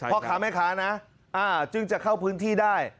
พ่อค้าแม่ค้านะจึงจะเข้าพื้นที่ได้